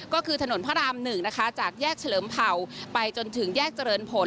ก็คือถนนพระราม๑นะคะจากแยกเฉลิมเผ่าไปจนถึงแยกเจริญผล